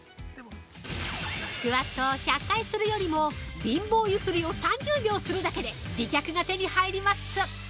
◆スクワットを１００回するよりも「貧乏ゆすり」を３０秒するだけで美脚が手に入ります！